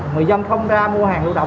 người dân không ra mua hàng lũ động